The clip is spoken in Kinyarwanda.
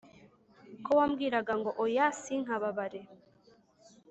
ko wambwiraga ngo oya sinkababare